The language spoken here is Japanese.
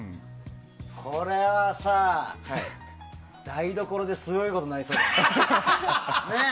これはさ、台所ですごいことになりそうだよね。